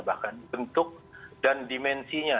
bahkan bentuk dan dimensinya